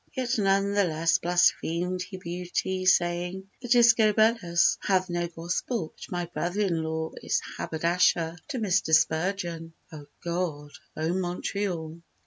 Yet none the less blasphemed he beauty saying, "The Discobolus hath no gospel, But my brother in law is haberdasher to Mr. Spurgeon." O God! O Montreal!